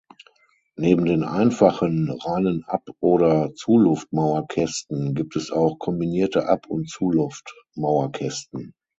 Neben den einfachen, reinen Ab- oder Zuluft-Mauerkästen gibt es auch kombinierte Ab- und Zuluft-Mauerkästen.